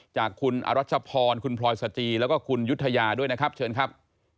จากคุณอรัชพรคุณพลอยสจีแล้วก็คุณยุธยาด้วยนะครับเชิญครับ